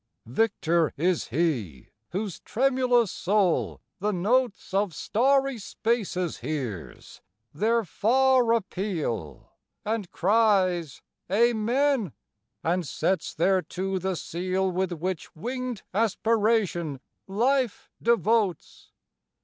Victor is he whose tremulous soul the notes Of starry spaces hears, their far appeal, And cries "Amen!" and sets thereto the seal With which winged aspiration life devotes!